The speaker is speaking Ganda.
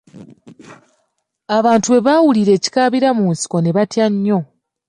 Abantu bwe baawulira ekikaabira mu nsiko ne batya nnyo!